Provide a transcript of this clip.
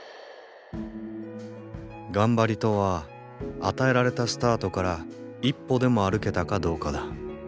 頑張りとは与えられたスタートから一歩でも歩けたかどうかだ。